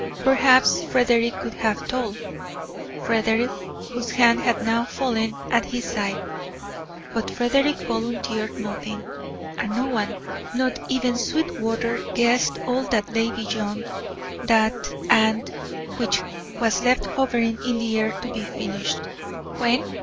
Perhaps Frederick could have told, Frederick, whose hand had now fallen at his side. But Frederick volunteered nothing, and no one, not even Sweetwater, guessed all that lay beyond that AND which was left hovering in the air to be finished when?